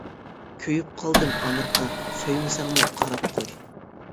كۆيۈپ قالدىم ئامرىقىم، سۆيمىسەڭمۇ قاراپ قوي.